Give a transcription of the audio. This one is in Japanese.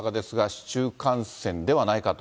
市中感染ではないかと。